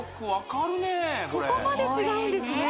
これここまで違うんですね